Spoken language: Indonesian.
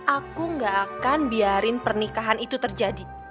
aku gak akan biarin pernikahan itu terjadi